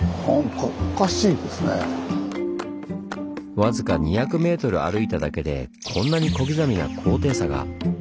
僅か２００ｍ歩いただけでこんなに小刻みな高低差が！